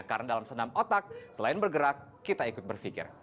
karena dalam senam otak selain bergerak kita ikut berfikir